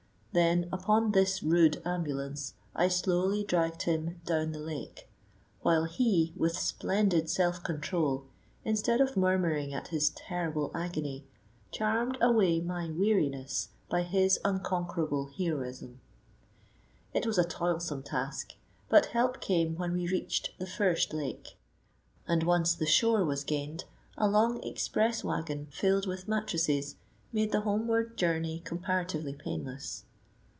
Then upon this rude ambulance I slowly dragged him down the lake, while he, with splendid self control, instead of murmuring at his terrible agony, charmed away my weariness by his unconquerable heroism. It was a toilsome task, but help came when we reached the first lake, and once the shore was gained, a long express waggon filled with mattresses made the homeward journey comparatively painless.